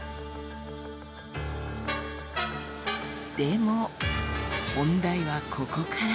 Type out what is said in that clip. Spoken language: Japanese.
でも本題はここから。